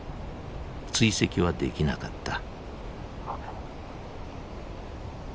追跡はできなかった。